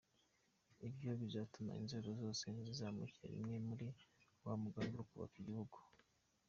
Ibyo bizatuma inzego zose zizamukira rimwe muri wa mugambi wo kubaka igihugu.